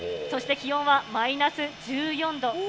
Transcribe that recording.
そして気温はマイナス１４度。